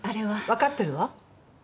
わかってるわ。